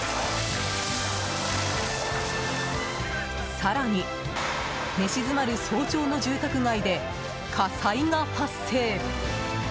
更に、寝静まる早朝の住宅街で火災が発生。